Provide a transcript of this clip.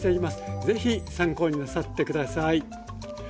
是非参考になさって下さい。